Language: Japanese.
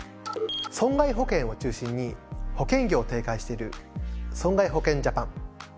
損害保険を中心に保険業を展開している損害保険ジャパン。